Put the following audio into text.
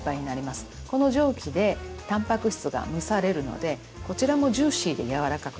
この蒸気でたんぱく質が蒸されるのでこちらもジューシーでやわらかくなる。